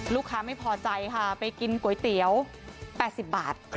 ลูกค้าไม่พอใจค่ะไปกินก๋วยเตี๋ยว๘๐บาท